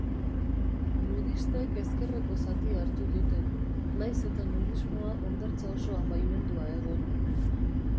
Nudistek ezkerreko zatia hartu dute, nahiz eta nudismoa hondartza osoan baimendua egon.